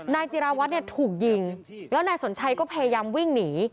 นายจิราวัตรเนี่ยถูกยิงแล้วนายสนชัยก็พยายามวิ่งหนี